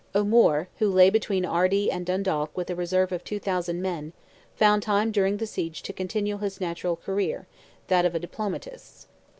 O'Moore, who lay between Ardee and Dundalk with a reserve of 2,000 men, found time during the siege to continue his natural career, that of a diplomatist.